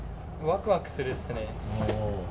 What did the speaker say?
わくわくするっす。